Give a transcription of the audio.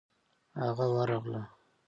هغه ورغله.